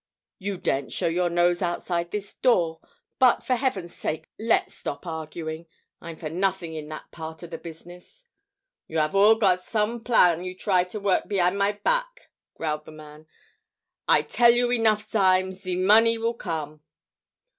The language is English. You daren't show your nose outside this door. But for heaven's sake, let's stop arguing. I'm for nothing in that part of the business." "You 'ave all got some plan you try to work behin' my back," growled the man. "I tell you enough times, ze money will come!"